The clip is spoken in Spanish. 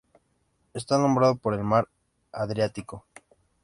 Está nombrado por el mar Adriático.